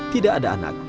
tidak ada anak